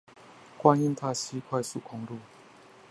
觀音大溪快速公路